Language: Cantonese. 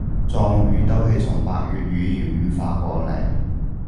壯語都係從百越語言演化過禮